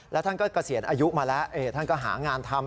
แล้วท่านก็เกษียณอายุมาแล้วท่านก็หางานทำ